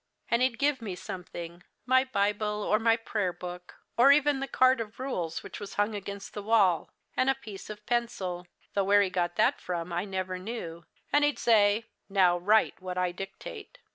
"And he'd give me something, my Bible, or my prayer book, or even the card of rules which was hung against the wall, and a piece of pencil though where he got that from I never knew, and he'd say, 'Now write what I dictate.'